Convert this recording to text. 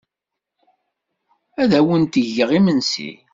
Ad awent-d-geɣ imensi?